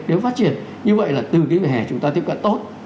nếu phát triển như vậy là từ cái vỉa hè chúng ta tiếp cận tốt